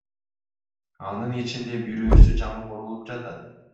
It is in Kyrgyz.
Анын ичинде бирөөсү жаңы курулуп жатат.